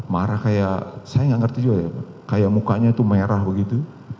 marah kayak saya nggak ngerti juga ya kayak mukanya itu merah begitu